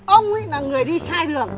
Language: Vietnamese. ông ấy là người đi sai đường